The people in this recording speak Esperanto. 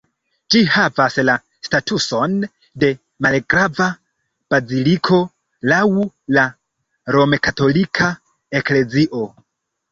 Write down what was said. Ĝi havas la statuson de malgrava baziliko laŭ la Romkatolika Eklezio.